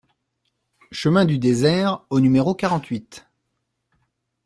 Chemin du Désert au numéro quarante-huit